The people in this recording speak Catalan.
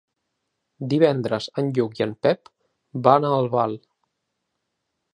Divendres en Lluc i en Pep van a Albal.